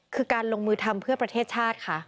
คือการลงมือทำเพื่อประเทศชาติค่ะ